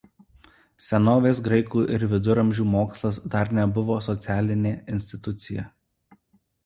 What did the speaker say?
Senovės graikų ir viduramžių mokslas dar nebuvo socialinė institucija.